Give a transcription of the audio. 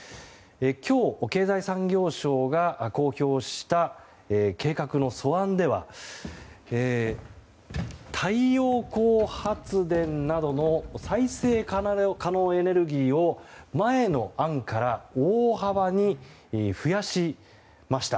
今日、経済産業省が公表した計画の素案では太陽光発電などの再生可能エネルギーを前の案から大幅に増やしました。